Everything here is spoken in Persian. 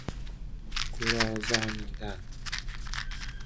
گرازانیدن